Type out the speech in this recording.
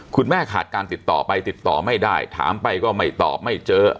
ขาดการติดต่อไปติดต่อไม่ได้ถามไปก็ไม่ตอบไม่เจอ